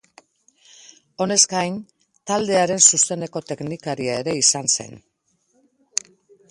Honez gain, taldearen zuzeneko teknikaria ere izan zen.